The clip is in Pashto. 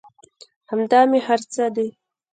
همدا مې هر څه دى.